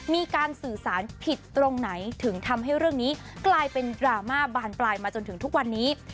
มีการสื่อสารผิดตรงไหนถึงทำให้เรื่องนี้กลายเป็นดราม่าบานปลายมาจนถึงทุกวันนี้